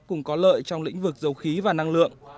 cùng có lợi trong lĩnh vực dầu khí và năng lượng